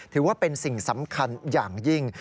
ถือว่าเป็นสิ่งสำคัญอย่างยิ่ง